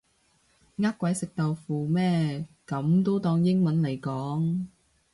呃鬼食豆腐咩噉都當英文嚟講